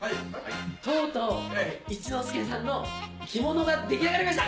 とうとう一之輔さんの着物が出来上がりました！